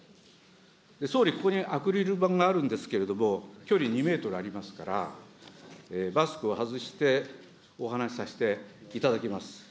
総理、ここにアクリル板があるんですけれども、距離２メートルありますから、マスクを外してお話させていただきます。